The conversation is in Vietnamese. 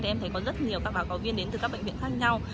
em thấy có rất nhiều các báo cáo viên đến từ các bệnh viện khác nhau